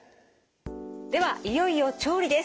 ではいよいよ調理です。